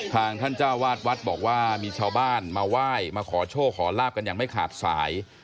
ท่านเจ้าวาดวัดบอกว่ามีชาวบ้านมาไหว้มาขอโชคขอลาบกันอย่างไม่ขาดสาย